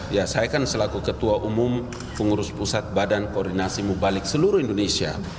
ya saya kan selaku ketua umum pengurus pusat badan koordinasi mubalik seluruh indonesia